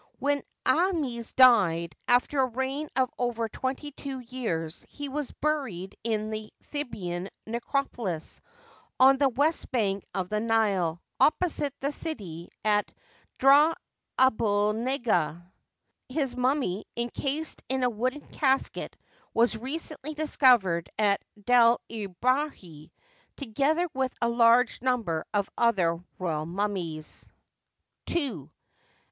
When Aahmes died, after a reign of over twenty two years, he was buried in the Theban necropolis, on the west bank of the Nile, opposite. the city, at Drah abul Neggah. His mummy, incased in a wooden casket, was recently discovered at D6r el bahiri, together with a large number of other royal mummies. § 2.